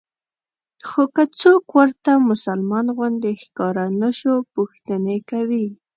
خو که څوک ورته مسلمان غوندې ښکاره نه شو پوښتنې کوي.